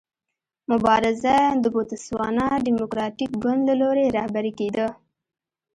مبارزه د بوتسوانا ډیموکراټیک ګوند له لوري رهبري کېده.